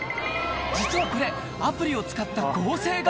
実はこれアプリを使った合成画面